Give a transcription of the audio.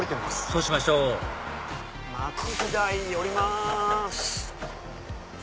そうしましょう松飛台降ります。